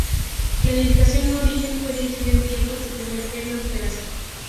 La edificación original fue erigida en tiempos del primer Hernán Peraza.